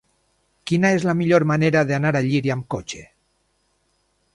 Quina és la millor manera d'anar a Llíria amb cotxe?